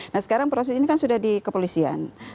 nah sekarang proses ini kan sudah di kepolisian